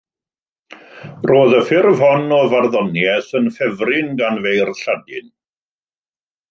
Roedd y ffurf hon o farddoniaeth yn ffefryn gan feirdd Lladin.